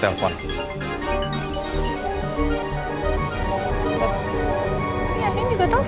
semoga mereka nanti bisa berjalan jalan dengan baik